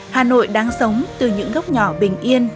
hà nội đáng sống từ những gốc nhỏ bình yên